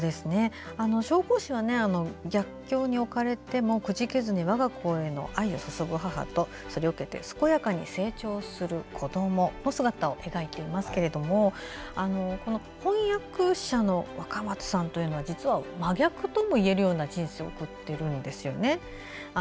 「小公子」は逆境に置かれてもくじけずに我が子への愛を注ぐ母とそれを受けて健やかに成長する子どもの姿を描いていますけれどもその翻訳者の若松さんというのは実は、真逆ともいえるような人生を送っているんですよね。